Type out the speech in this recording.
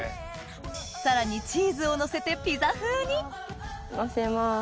さらにチーズをのせてピザ風にのせます。